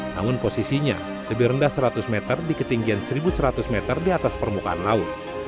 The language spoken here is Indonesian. namun posisinya lebih rendah seratus meter di ketinggian satu seratus meter di atas permukaan laut